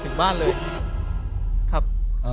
ถึงบ้านเลยครับ